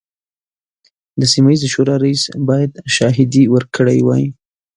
د سیمه ییزې شورا رئیس باید شاهدې ورکړي وای.